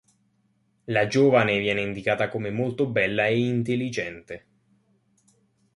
La giovane viene indicata come molto bella e intelligente.